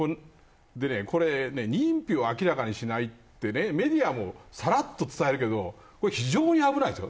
これ、認否を明らかにしないってねメディアもさらっと伝えるけどこれは非常に危ないですよ。